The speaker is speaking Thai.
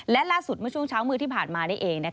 และล่าสุดเมื่อช่วงเช้ามืดที่ผ่านมานี่เอง